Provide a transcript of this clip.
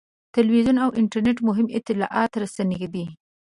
تلویزیون او انټرنېټ مهم اطلاعاتي رسنۍ دي.